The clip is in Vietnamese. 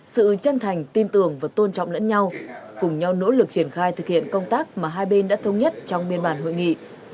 sự chân thành tin tưởng và tôn trọng lẫn nhau cùng nhau nỗ lực triển khai thực hiện công tác mà hai bên đã thống nhất trong biên bản hội nghị